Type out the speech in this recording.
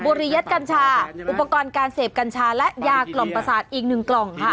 ริยัตกัญชาอุปกรณ์การเสพกัญชาและยากล่อมประสาทอีกหนึ่งกล่องค่ะ